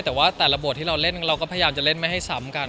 แต่ว่าแต่ละบทที่เราเล่นเราก็พยายามจะเล่นไม่ให้ซ้ำกัน